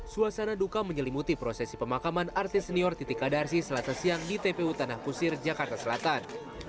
suasana duka menyelimuti prosesi pemakaman artis senior titika darsi selasa siang di tpu tanah kusir jakarta selatan